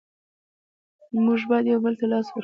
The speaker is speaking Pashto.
مونږ باید یو بل ته لاس ورکړو.